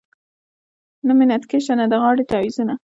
نه مې نتکې شته نه د غاړې تعویذونه .